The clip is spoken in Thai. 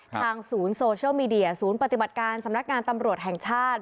ทางศูนย์โซเชียลมีเดียศูนย์ปฏิบัติการสำนักงานตำรวจแห่งชาติ